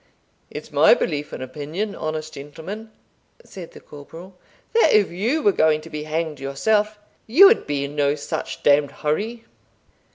"It's my belief and opinion, honest gentleman," said the corporal, "that if you were going to be hanged yourself, you would be in no such d d hurry."